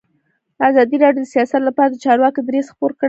ازادي راډیو د سیاست لپاره د چارواکو دریځ خپور کړی.